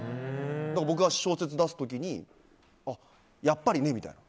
僕が小説出す時にやっぱりねみたいな。